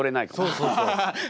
そうそうそう。